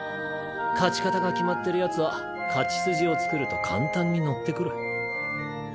勝ち方が決まってるヤツは勝ち筋を作ると簡単に乗ってくる。